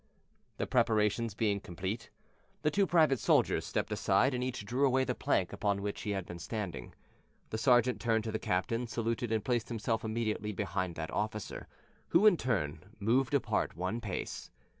The preparations being complete, the two private soldiers stepped aside and each drew away the plank upon which he had been standing. The sergeant turned to the captain, saluted and placed himself immediately behind that officer, who in turn moved apart one pace.